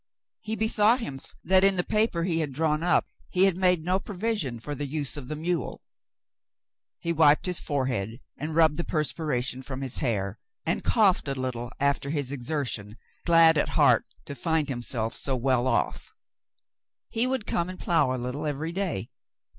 He bethought him that in the paper he had drawn up he had made no provision for the use of the mule. He wiped his forehead and rubbed the perspira tion from his hair, and coughed a little after his exertion, glad at heart to find himself so well off. He would come and plough a little every day.